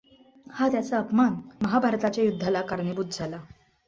हा त्याचा अपमान महाभारताच्या युद्धाला कारणीभूत झाला.